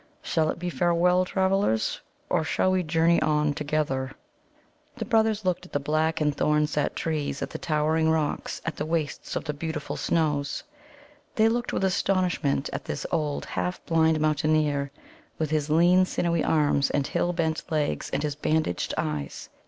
Shall it be farewell, Travellers? Or shall we journey on together?" The brothers looked at the black and thorn set trees, at the towering rocks, at the wastes of the beautiful snows. They looked with astonishment at this old, half blind mountaineer with his lean, sinewy arms, and hill bent legs, and his bandaged eyes.